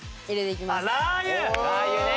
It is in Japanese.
ラー油ね。